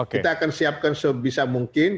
kita akan siapkan sebisa mungkin